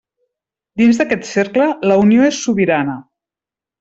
Dins d'aquest cercle, la Unió és sobirana.